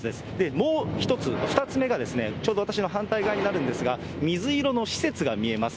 もう一つ、２つ目が、ちょうど私の反対側になるんですが、水色の施設が見えます。